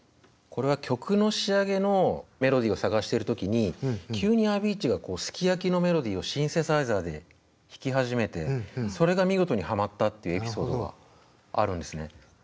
これは曲の仕上げのメロディーを探してる時に急にアヴィーチーが「ＳＵＫＩＹＡＫＩ」のメロディーをシンセサイザーで弾き始めてそれが見事にはまったっていうエピソードがあるんですね。